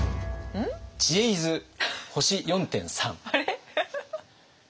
「知恵泉星４．３」。